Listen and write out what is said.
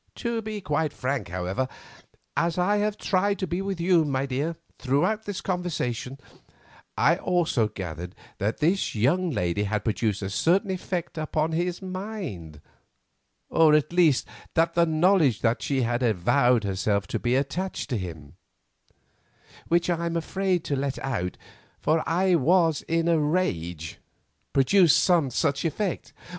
To be quite frank, however, as I have tried to be with you, my dear, throughout this conversation, I also gathered that this young lady had produced a certain effect upon his mind, or at least that the knowledge that she had avowed herself to be attached to him—which I am afraid I let out, for I was in a great rage—produced some such effect.